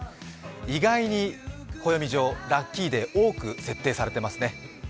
意外に暦上、ラッキーデー多く設定されていますね。